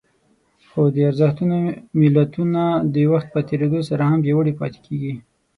خو د ارزښتونو ملتونه د وخت په تېرېدو سره هم پياوړي پاتې کېږي.